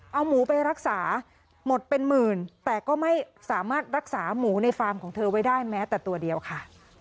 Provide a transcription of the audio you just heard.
เอาหมูไปรักษาหมดเป็นหมื่นแต่ก็ไม่สามารถรักษาหมูในฟาร์มของเธอไว้ได้แม้แต่ตัวเดียวค่ะ